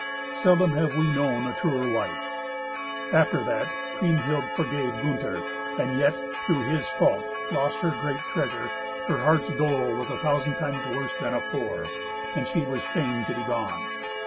Seldom have we known a truer wife. After that Kriemhild forgave Gunther, and yet, through his fault, lost her great treasure, her heart's dole was a thousand times worse than afore, and she was fain to be gone.